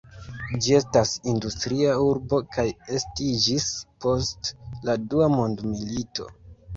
Ĝi estas industria urbo kaj estiĝis post la dua mondmilito.